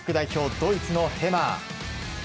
ドイツのヘマー。